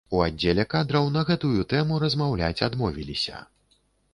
У аддзеле кадраў на гэтую тэму размаўляць адмовіліся.